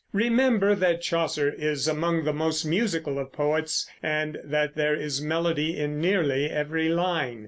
Remember that Chaucer is among the most musical of poets, and that there is melody in nearly every line.